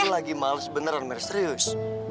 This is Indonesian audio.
aku lagi males beneran mer serius